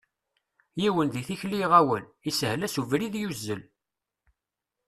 Yiwen di tikli iɣawel, ishel-as ubrid, yuzzel.